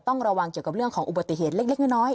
ต้องระวังเกี่ยวกับเรื่องของอุบัติเหตุเล็กน้อย